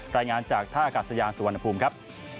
รายงานจากท่าอากาศยานสุวรรณภูมิครับ